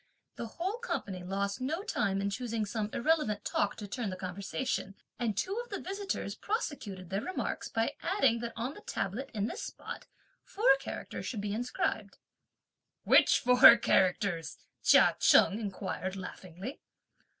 The whole company lost no time in choosing some irrelevant talk to turn the conversation, and two of the visitors prosecuted their remarks by adding that on the tablet, in this spot, four characters should be inscribed. "Which four characters?" Chia Cheng inquired, laughingly.